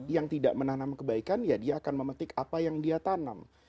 yang tidak menanam kebaikan ya dia akan memetik apa yang dia tanam